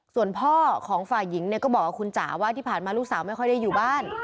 ส่วนพ่อของฝ่ายหญิงเนี่ยก็บอกกับคุณจ๋าว่าที่ผ่านมาลูกสาวไม่ค่อยได้อยู่บ้าน